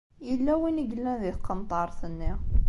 Yella win i yellan di tqenṭaṛt-nni.